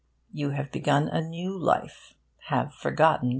You have begun a new life, have forgotten the old.